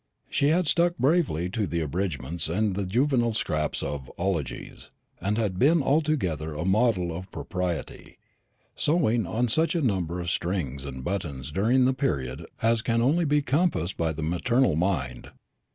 She had stuck bravely to the abridgments and the juvenile scraps of ologies, and had been altogether a model of propriety, sewing on such a number of strings and buttons during the period as can only be compassed by the maternal mind.